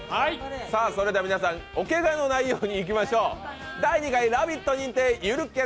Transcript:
それでは皆さん、おけがのないようにいきましょう。